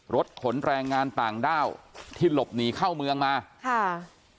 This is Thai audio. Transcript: รถขนแรงงานต่างด้าวที่หลบหนีเข้าเมืองมาค่ะ